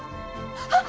あっ！